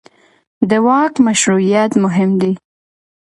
د واک مشروعیت مهم دی